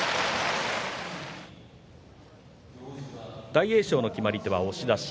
大栄翔の決まり手は押し出し。